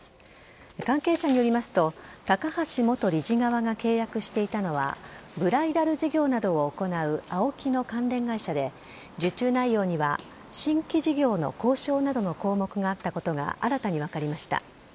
関係者によりますと高橋元理事側が契約していたのはブライダル事業などを行うＡＯＫＩの関連会社で受注内容には新規事業の交渉などの項目があったことが新たに分かりました。